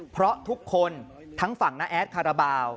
เพราะทุกคนทั้งฝั่งน้าแอดคาราบาล